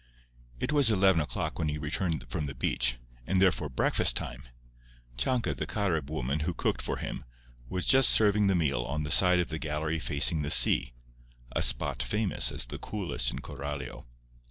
It was eleven o'clock when he returned from the beach, and therefore breakfast time. Chanca, the Carib woman who cooked for him, was just serving the meal on the side of the gallery facing the sea—a spot famous as the coolest in Coralio.